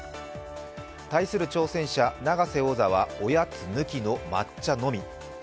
対する挑戦者・永瀬王座はおやつ抜きの抹茶のみ。